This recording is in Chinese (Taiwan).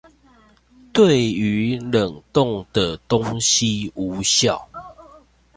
對於冷凍的東西無效